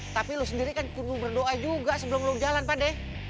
tapi lu sendiri kan perlu berdoa juga sebelum lu jalan pade